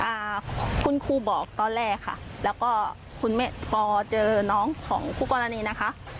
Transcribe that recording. อ่าคุณครูบอกตอนแรกค่ะแล้วก็คุณแม่พอเจอน้องของคู่กรณีนะคะ